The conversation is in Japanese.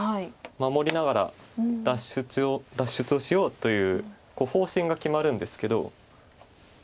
守りながら脱出をしようという方針が決まるんですけど。